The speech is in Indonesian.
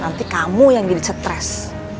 nanti kamu yang jadi stres